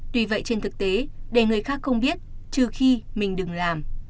tuy vậy trên thực tế để người khác không biết trừ khi mình đừng làm